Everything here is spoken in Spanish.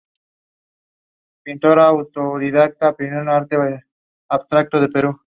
Otra característica es la posibilidad de crear listas de reproducción, tanto estáticas como inteligentes.